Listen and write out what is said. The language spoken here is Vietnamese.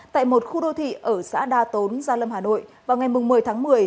tại một khu đô thị ở xã đa tốn gia lâm hà nội vào ngày một mươi tháng một mươi